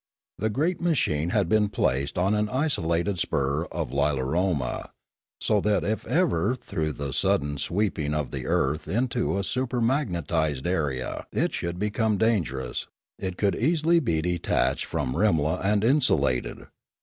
The great machine had been placed on au isolated spur of Lilaroma, so that if ever through the sudden sweep ing of the earth into a supermagnetised area it should become dangerous, it could easily be detached from Rimla and insulated.